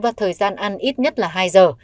và thời gian ăn ít nhất là hai giờ